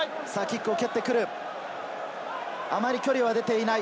あまり距離は出ていない。